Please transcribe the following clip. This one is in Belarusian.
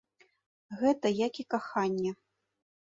Гэта як і каханне.